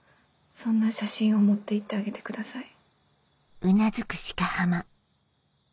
そんな写真を持って行ってあげてください。